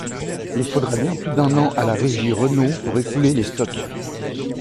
Il faudra bien plus d'un an à la Régie Renault pour écouler les stocks.